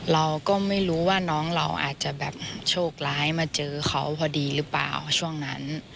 เราก็ไม่รู้ว่าน้องเราอาจจะแบบโชคร้ายมาเจอเขาพอดีหรือเปล่าช่วงนั้น